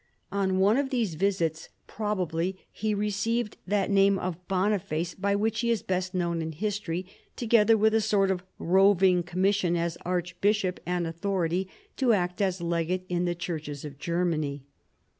On one of these visits, probably, he received that name of Boniface by which he is best known in history, together with a sort of roving commission as archbishop, and au thority to act as legate in the churches of Germany.